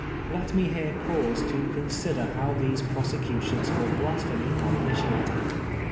Let me here pause to consider how these prosecutions for blasphemy are initiated.